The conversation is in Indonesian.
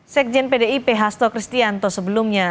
sekjen pdip hasto kristianto sebelumnya